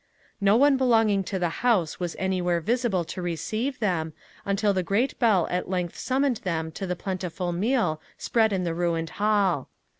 No one belonging to the house was anywhere visible to receive them, until the great bell at length summoned them to the plentiful meal spread in the ruined hall.